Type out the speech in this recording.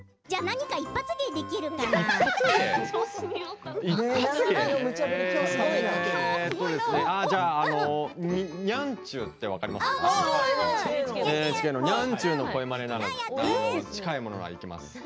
じゃあ、いきます。